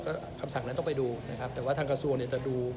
ก็คำสั่งนั้นต้องไปดูนะครับแต่ว่าทางกระทรวงเนี่ยจะดู